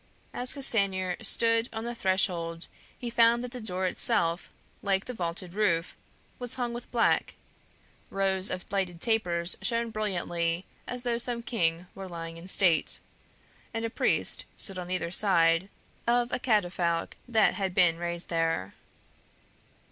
As Castanier stood on the threshold he found that the door itself, like the vaulted roof, was hung with black; rows of lighted tapers shone brilliantly as though some king were lying in state; and a priest stood on either side of a catafalque that had been raised there.